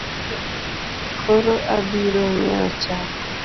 Koro abirong’iewo chak?